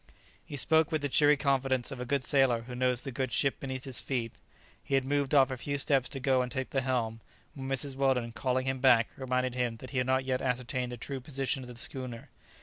He spoke with the cheery confidence of a good sailor who knows the good ship beneath his feet. He had moved off a few steps to go and take the helm, when Mrs. Weldon, calling him back, reminded him that he had not yet ascertained the true position of the schooner.